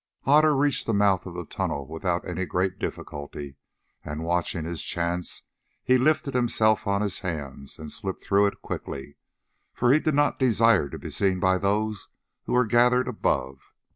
Otter reached the mouth of the tunnel without any great difficulty, and, watching his chance, he lifted himself on his hands and slipped through it quickly, for he did not desire to be seen by those who were gathered above.